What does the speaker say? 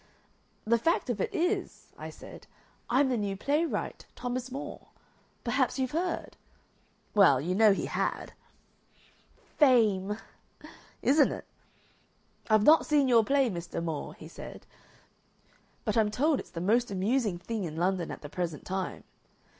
'The fact of it is,' I said, 'I'm the new playwright, Thomas More. Perhaps you've heard ?' Well, you know, he had." "Fame!" "Isn't it? 'I've not seen your play, Mr. More,' he said, 'but I'm told it's the most amusing thing in London at the present time.